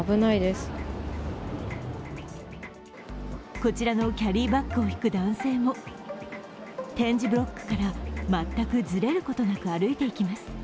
こちらのキャリーバッグを引く男性も点字ブロックから全くずれることなく歩いていきます。